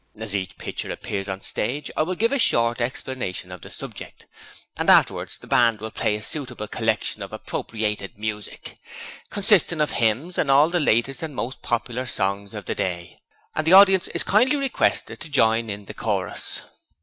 As each pitcher appears on the stage I will give a short explanation of the subject, and afterwards the band will play a suitable collection of appropriated music, consisting of hymns and all the latest and most popular songs of the day, and the audience is kindly requested to join in the chorus.